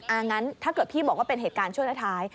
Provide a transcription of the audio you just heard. งั้นถ้าเกิดพี่บอกว่าเป็นเหตุการณ์ช่วงท้าย